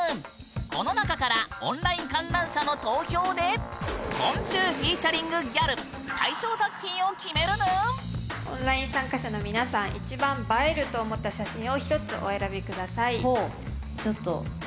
この中からオンライン観覧者の投票でオンライン参加者の皆さん一番映えると思った写真を１つお選び下さい。